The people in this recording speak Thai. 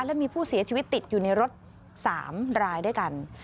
และมีผู้เสียชีวิตติดอยู่ในรถ๓รายด้วยกัน